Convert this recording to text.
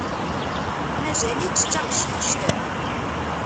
Mazal-itt d taqcict.